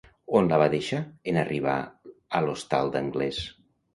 On la va deixar, en arribar a l'hostal d'Anglès?